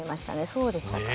そうでしたか。